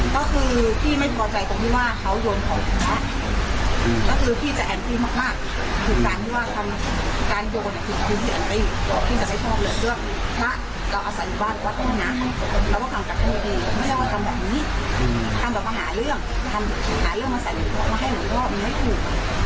ก็คือที่ไม่พอใจตรงนี้ว่าเขาโยนขอแผลก็คือที่จะแอมพลิกมากคือการโยงที่คุณเสียงไปอยู่ที่จะไม่พร้อมเหลือเรื่องถ้าเราอาศัยบ้านวัดข้างหน้าแล้วก็กำกัดข้างในที่ไม่ได้ว่ากันแบบนี้ท่านต้องมาหาเรื่องมาให้หน่อยว่ามันไม่ถูก